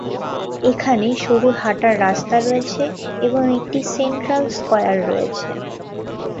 এখানে সরু হাঁটার রাস্তা রয়েছে এবং একটি সেন্ট্রাল স্কয়ার রয়েছে।